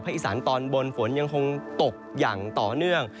อีสานตอนบนฝนยังคงตกอย่างต่อเนื่อง